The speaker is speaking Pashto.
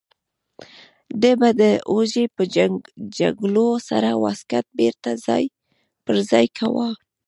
ده به د اوږې په جګولو سره واسکټ بیرته ځای پر ځای کاوه.